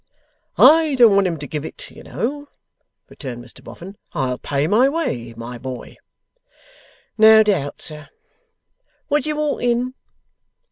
'I don't want him to give it, you know,' returned Mr Boffin; 'I'll pay my way, my boy.' 'No doubt, sir. Would you walk in?